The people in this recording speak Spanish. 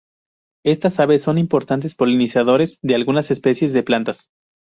Estas aves son importantes polinizadores de algunas especies de plantas.